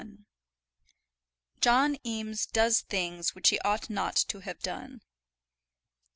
JOHN EAMES DOES THINGS WHICH HE OUGHT NOT TO HAVE DONE.